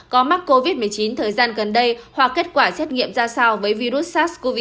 có mắc covid một mươi chín thời gian gần đây hoặc kết quả xét nghiệm ra sao với virus sars cov hai